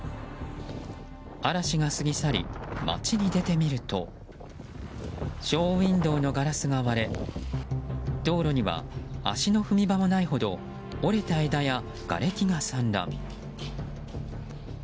嵐が過ぎ去り町に出てみるとショーウィンドーのガラスが割れ道路には足の踏み場もないほど折れた枝やがれきが散乱。